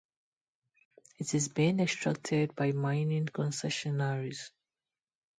It is being extracted by mining concessionaries.